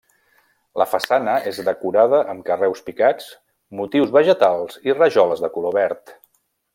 La façana és decorada amb carreus picats, motius vegetals i rajoles de color verd.